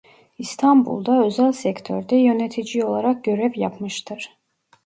İstanbul'da özel sektörde yönetici olarak görev yapmıştır.